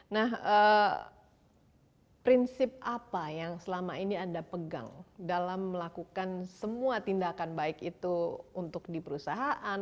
nah prinsip apa yang selama ini anda pegang dalam melakukan semua tindakan baik itu untuk di perusahaan